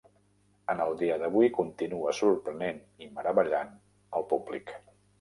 En el dia d'avui, continua sorprenent i meravellant el públic.